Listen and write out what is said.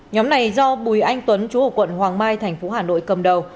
nhóm này do bùi anh tuấn chú hộ quận hoàng mai tp hà nội cầm đầu